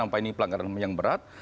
apa ini pelanggaran ham yang berat